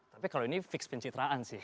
tapi kalau ini fix pencitraan sih